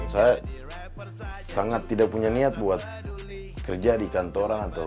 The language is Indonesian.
saya sangat tidak punya niat buat kerja di kantoran atau